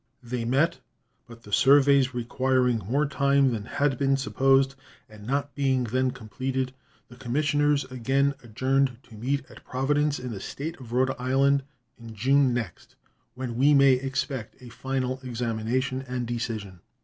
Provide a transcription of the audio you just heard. They met, but the surveys requiring more time than had been supposed, and not being then completed, the commissioners again adjourned, to meet at Providence, in the State of Rhode Island, in June next, when we may expect a final examination and decision.